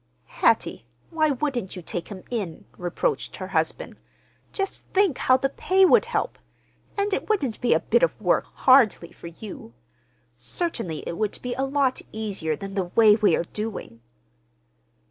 "Hattie, why wouldn't you take him in?" reproached her husband. "Just think how the pay would help! And it wouldn't be a bit of work, hardly, for you. Certainly it would be a lot easier than the way we are doing."